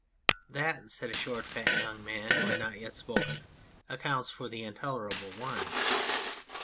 "That," said a short fat young man, who had not yet spoken, " accounts for the intolerable wine."